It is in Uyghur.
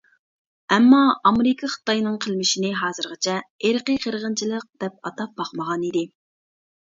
ئەمما ئامېرىكا خىتاينىڭ قىلمىشىنى ھازىرغىچە «ئىرقىي قىرغىنچىلىق» دەپ ئاتاپ باقمىغان ئىدى.